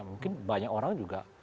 mungkin banyak orang juga